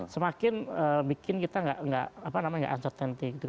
semakin bikin kita tidak uncertainty